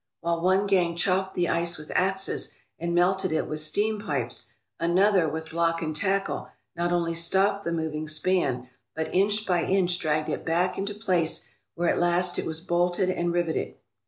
While one gang chopped the ice with axes, and melted it with steam pipes, another, with block and tackle, not only stopped the moving span, but inch by inch dragged it back into place where at last it was bolted and riveted.